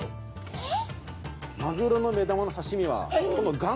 えっ！